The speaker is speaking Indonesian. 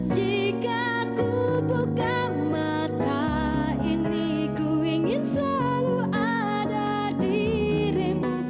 jika ku bukan mata ini ku ingin selalu ada dirimu